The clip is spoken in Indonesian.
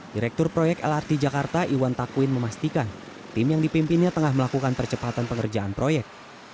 direktur proyek lrt jakarta iwan takwin memastikan tim yang dipimpinnya tengah melakukan percepatan pengerjaan proyek